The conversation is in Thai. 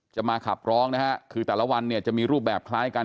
จะมาขับร้องคือแต่ละวันจะมีรูปแบบคล้ายกัน